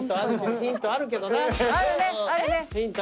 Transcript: ヒントあるよ。